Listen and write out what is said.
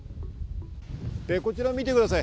こちらを見てください。